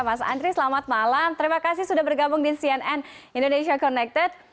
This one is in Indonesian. mas andri selamat malam terima kasih sudah bergabung di cnn indonesia connected